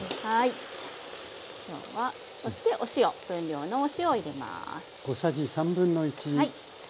そしてお塩分量のお塩を入れます。